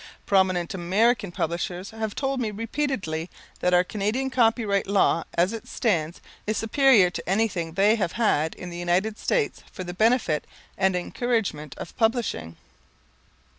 Prominent American publishers have told me repeatedly that our Canadian Copyright Law as it stands, is superior to anything they have had in the United States for the benefit and encouragement of publishing.